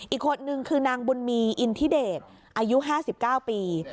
อีกคนนึงคือนางบุญมีอินทิเดชอายุ๕๙ปี